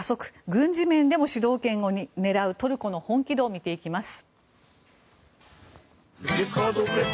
軍事面でも主導権を狙うトルコの本気度を見ていきます。